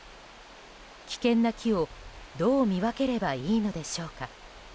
危険な木を、どう見分ければいいのでしょうか。